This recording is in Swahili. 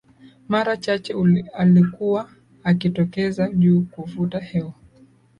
Mara chache alikuwa akitokeza juu kuvuta hewa